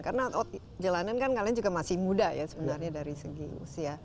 karena jalanan kan kalian juga masih muda ya sebenarnya dari segi usia